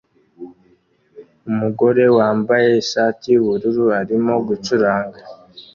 Umugore wambaye ishati yubururu arimo gucuranga